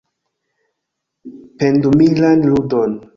Pendumilan ludon.